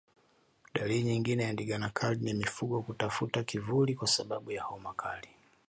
Dalili nyingine ya ndigana kali ni mfugo kutafuta kivuli kwa sababu ya homa kali